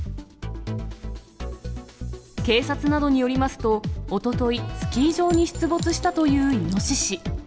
警察などによりますと、おととい、スキー場に出没したというイノシシ。